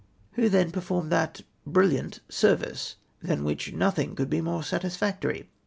Who, then, performed that " brilliant " service, than which nothmg could be more satisfactory